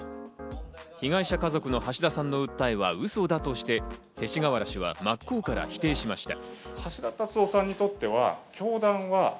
被害者家族の橋田さんの訴えはウソだとして、勅使河原氏は真っ向から否定しました。